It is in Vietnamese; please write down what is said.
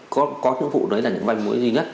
có những vụ đấy là những manh mối duy nhất